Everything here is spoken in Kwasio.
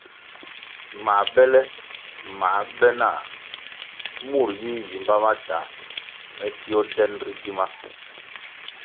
Mā bele ma be nah, murʼ yi yimba ma ta, me tio den ritima.